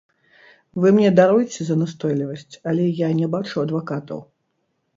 Вы мне даруйце за настойлівасць, але я не бачу адвакатаў.